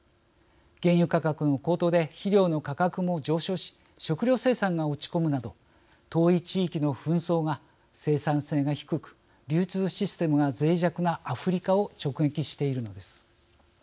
原油価格の高騰で肥料の価格も上昇し食料生産が落ち込むなど遠い地域の紛争が生産性が低く、流通システムがぜい弱なアフリカを直撃しているのです。